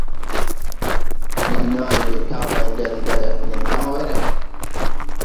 Bii na le de tabay nel nele nen baŋ were.